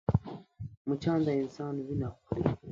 مچان د انسان وينه خوري